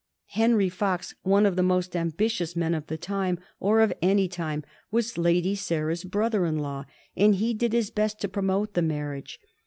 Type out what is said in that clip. Henry Fox, one of the most ambitious men of that time or of any time, was Lady Sarah's brother in law, and he did his best to promote the marriage.